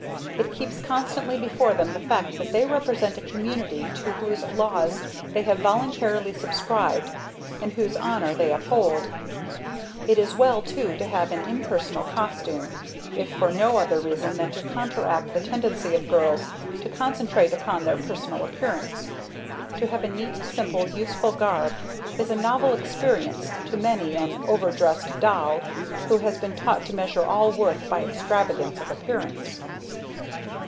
It keeps constantly before them the fact that they represent a community to whose laws they have voluntarily subscribed and whose honor they uphold. It is well, too, to have an impersonal costume if for no other reason than to counteract the tendency of girls to concentrate upon their personal appearance. To have a neat, simple, useful garb is a novel experience to many an over dressed doll who has been taught to measure all worth by extravagance of appearance.